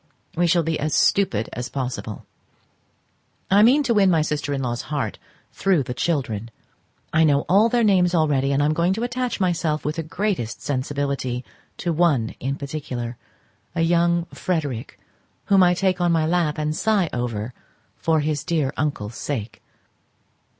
We shall be as stupid as possible. I mean to win my sister in law's heart through the children; I know all their names already, and am going to attach myself with the greatest sensibility to one in particular, a young Frederic, whom I take on my lap and sigh over for his dear uncle's sake.